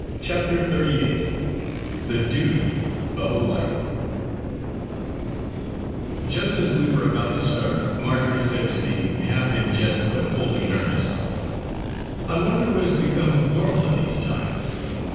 CHAPTER XXXVIII THE DUTY OF A WIFE Just as we were about to start Marjory said to me, half in jest but wholly in earnest: "I wonder what has become of Gormala these times.